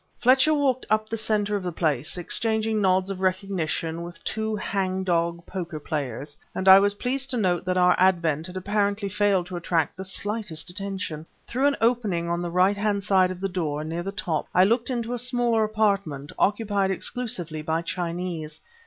Fletcher walked up the center of the place, exchanging nods of recognition with two hang dog poker players, and I was pleased to note that our advent had apparently failed to attract the slightest attention. Through an opening on the right hand side of the room, near the top, I looked into a smaller apartment, occupied exclusively by Chinese.